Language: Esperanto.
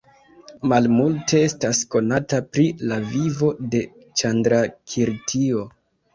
Malmulte estas konata pri la vivo de Ĉandrakirtio.